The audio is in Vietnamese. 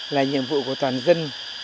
là nhiệm vụ của toàn dân